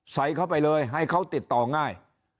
ใส่เข้าไปเลยให้เขาติดต่อง่าย